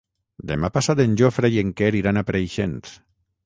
Demà passat en Jofre i en Quer iran a Preixens.